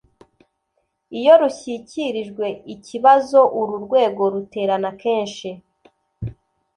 Iyo rushyikirijwe ikibazo uru rwego ruterana kenshi